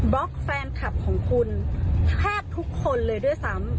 ล็อกแฟนคลับของคุณแทบทุกคนเลยด้วยซ้ำ